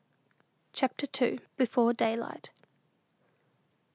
CHAPTER II. BEFORE DAYLIGHT.